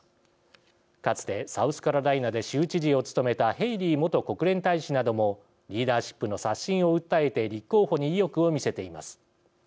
かつてサウスカロライナで州知事を務めたヘイリー元国連大使などもリーダーシップの刷新を訴えて立候補に意欲を見せています。